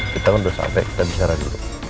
kita kan udah sampai kita bicara dulu